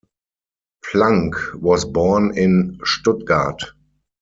Planck was born in Stuttgart.